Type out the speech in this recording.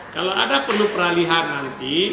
kalau ada perlu peralihanan